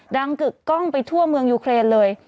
กึกกล้องไปทั่วเมืองยูเครนเลย